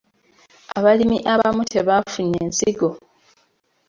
Abalimi abamu tebaafunye nsigo.